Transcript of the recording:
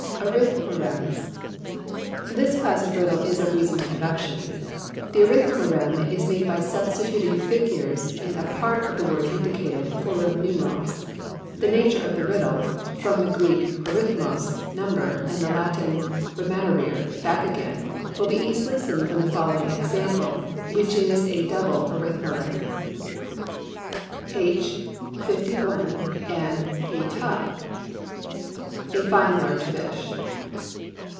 Arithmorems. This class of riddle is of recent introduction. The Arithmorem is made by substituting figures in a part of the word indicated, for Roman numerals. The nature of the riddle from the Greek arithmos, number, and the Latin remanere, back again will be easily seen from the following example, which is a double Arithmorem: H 51 and a tub a fine large fish.